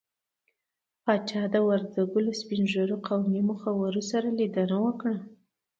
پاچا د وردګو له سپين ږيرو قومي مخورو سره ليدنه وکړه.